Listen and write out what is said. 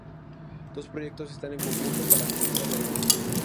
Dos proyectos están en concurso para finalizar la línea.